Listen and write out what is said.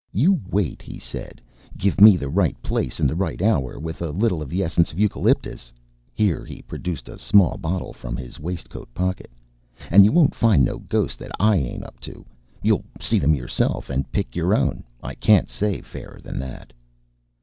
"You wait," he said; "give me the right place and the right hour, with a little of the essence of Lucoptolycus" here he produced a small bottle from his waistcoat pocket "and you won't find no ghost that I ain't up to. You'll see them yourself, and pick your own, and I can't say fairer than that."